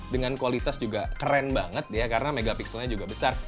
dengan kualitas juga keren banget ya karena megapikselnya juga besar